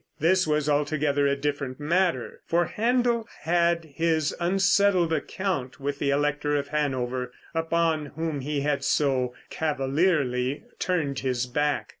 This was altogether a different matter, for Händel had his unsettled account with the elector of Hanover, upon whom he had so cavalierly turned his back.